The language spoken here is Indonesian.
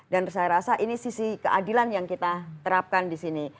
dan saya rasa ini sisi keadilan yang kita terapkan di sini